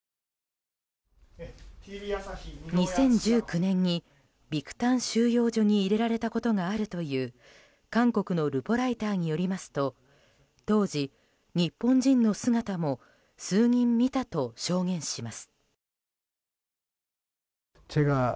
２０１９年にビクタン収容所に入れられたことがあるという韓国のルポライターによりますと当時、日本人の姿も数人見たと証言します。